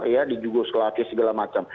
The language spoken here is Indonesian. ya di jogoslatis segala macam